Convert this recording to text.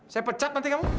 saya pecat nanti kamu